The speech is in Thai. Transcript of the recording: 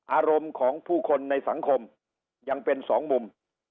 อารมณ์ของผู้คนในสังคมยังเป็นสองมุม